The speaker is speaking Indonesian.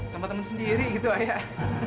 sama teman sendiri gitu ayah